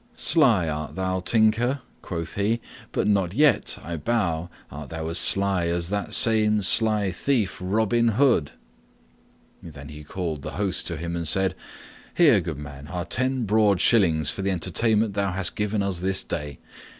"Sly art thou, Tinker," quoth he, "but not yet, I bow, art thou as sly as that same sly thief Robin Hood." Then he called the host to him and said, "Here, good man, are ten broad shillings for the entertainment thou hast given us this day.